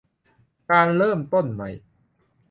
การเริ่มต้นใหม่